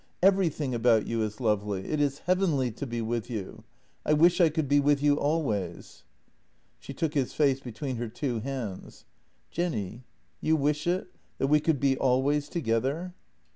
Everything about you is lovely; it is heavenly to be with you. I wish I could be with you always." She took his face between her two hands. " Jenny — you wish it — that we could be always together?